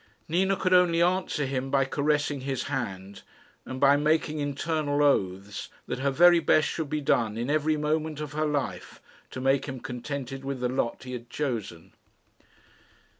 Nina could only answer him by caressing his hand, and by making internal oaths that her very best should be done in every moment of her life to make him contented with the lot he had chosen.